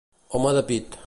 Home de pit.